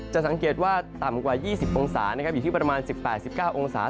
สังเกตว่าต่ำกว่า๒๐องศาอยู่ที่ประมาณ๑๘๑๙องศา